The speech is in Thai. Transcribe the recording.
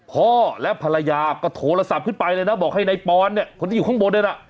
พ่อและภรรยาก็โทรศัพท์ขึ้นไปเลยนะบอกให้นายปอนเนี่ยคนที่อยู่ข้างบนด้วยนะ